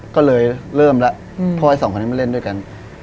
ก็เลยเริ่มแล้วเพราะไอ้สองคนนี้มาเล่นด้วยกัน